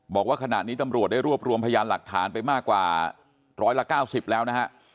บอกว่าขณะนี้ตำรวจได้รวบรวมพยานหลักฐานไปมากกว่าร้อยละ๙๐แล้วนะฮะ